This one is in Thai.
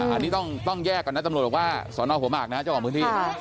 อันนี้ต้องแยกก่อนนะตำรวจบอกว่าสอนอหัวหมากนะเจ้าของพื้นที่